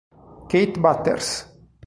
Kate Butters